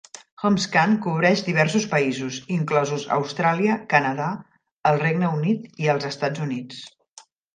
Homescan cobreix diversos països, inclosos Austràlia, Canadà, el Regne Unit i els Estats Units.